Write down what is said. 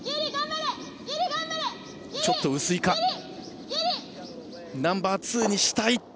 ちょっと薄いかナンバーツーにしたい。